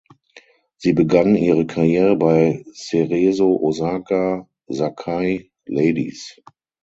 Sie begann ihre Karriere bei Cerezo Osaka Sakai Ladies.